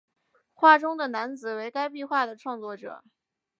画中的男子为该壁画的创作者。